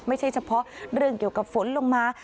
ไม่ใช่เฉพาะเรื่องเกี่ยวกับฝนลงมา